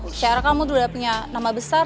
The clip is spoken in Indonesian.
secara kamu udah punya nama besar